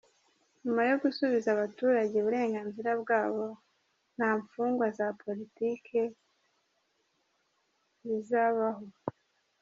Nyuma yo gusubiza abaturage uburenganzira bwabo nta mfungwa za politiki zizabaho.